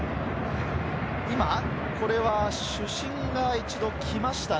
主審が一度来ましたね。